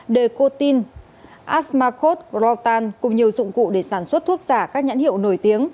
de cotine asmacote rotan cùng nhiều dụng cụ để sản xuất thuốc giả các nhãn hiệu nổi tiếng